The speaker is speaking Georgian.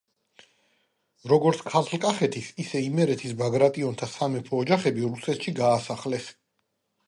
როგორც ქართლ-კახეთის, ისე იმერეთის ბაგრატიონთა სამეფო ოჯახები რუსეთში გადაასახლეს.